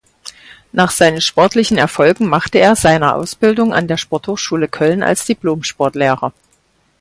Nach seinen sportlichen Erfolgen machte er seiner Ausbildung an der Sporthochschule Köln als Diplom-Sportlehrer.